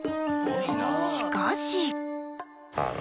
しかし